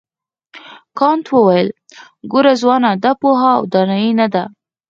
کانت وویل ګوره ځوانه دا پوهه او دانایي نه ده.